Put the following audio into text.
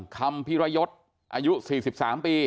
คำพิรยศอายุ๔๓ปี